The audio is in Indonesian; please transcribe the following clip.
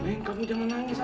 nenek kamu jangan nangis